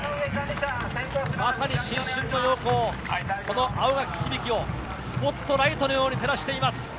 まさに新春の陽光、青柿響をスポットライトのように照らしています。